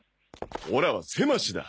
オラはせましだ。